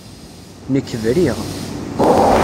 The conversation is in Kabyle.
Nekk briɣ.